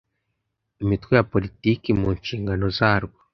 imitwe ya politiki mu nshingano zarwo